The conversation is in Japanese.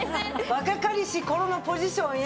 若かりし頃のポジションへ。